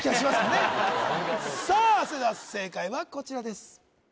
それでは正解はこちらです